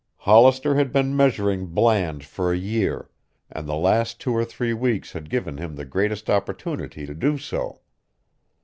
Hollister had been measuring Bland for a year, and the last two or three weeks had given him the greatest opportunity to do so.